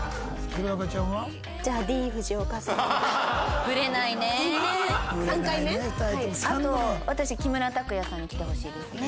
あと私木村拓哉さんに来てほしいですね。